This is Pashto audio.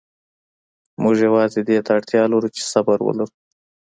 موږ یوازې دې ته اړتیا لرو چې صبر ولرو.